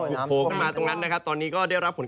ถูกโผล่กันมาตรงนั้นตอนนี้ก็ได้รับผลกระทบกัน